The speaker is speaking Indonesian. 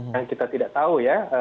yang kita tidak tahu ya